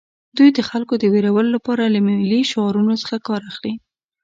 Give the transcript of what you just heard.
دوی د خلکو د ویرولو لپاره له ملي شعارونو څخه کار اخلي